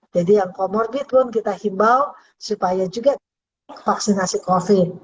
jadi yang comorbid pun kita himbau supaya juga vaksinasi covid